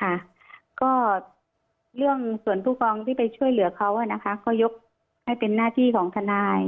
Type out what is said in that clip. ค่ะก็เรื่องส่วนผู้กองที่ไปช่วยเหลือเขาอ่ะนะคะเขายกให้เป็นหน้าที่ของทนาย